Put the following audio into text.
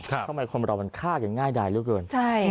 ทำไมคนเรามันฆ่ากันง่ายได้แล้วกัน